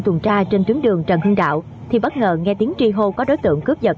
tùn tra trên tuyến đường trần hưng đạo thì bất ngờ nghe tiếng tri hô có đối tượng cướp dật